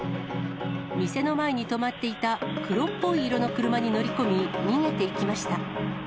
店の前に止まっていた黒っぽい色の車に乗り込み、逃げていきました。